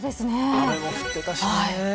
雨も降ってたしね。